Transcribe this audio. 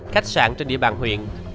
khách sạn trên địa bàn huyện